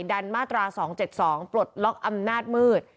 มาตรา๒๗๒ปลดล็อกอำนาจมืด